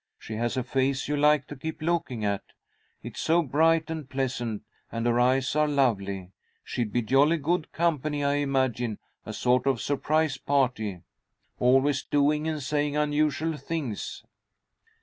"She has a face you like to keep looking at. It's so bright and pleasant, and her eyes are lovely. She'd be jolly good company, I imagine, a sort of a surprise party, always doing and saying unusual things."